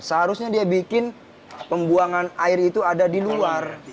seharusnya dia bikin pembuangan air itu ada di luar